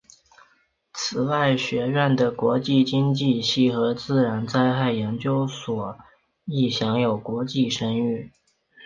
此外学校的国际经济系和自然灾害研究所亦享有国际声誉。